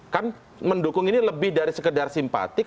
kan mendukung ini lebih dari sekedar simpatik